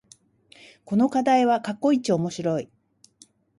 この課題は過去一面白い